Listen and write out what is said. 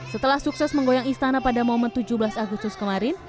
setelah sukses menggoyang istana pada momen tujuh belas agustus kemarin